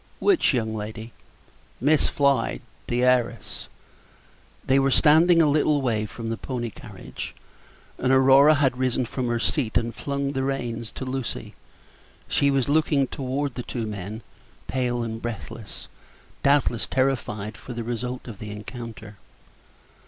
"Which young lady?" "Miss Floyd the heiress." They were standing a little way from the pony carriage. Aurora had risen from her seat and flung the reins to Lucy; she was looking toward the two men, pale and breathless, doubtless terrified for the result of the encounter.